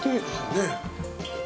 ねえ。